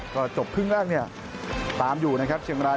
ก็จบครึ่งแรกเนี่ยตามอยู่นะครับเชียงราย